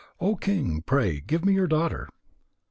O King, pray give me your daughter."